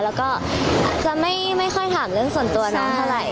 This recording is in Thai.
แล้วก็จะไม่ค่อยถามเรื่องส่วนตัวน้องเท่าไหร่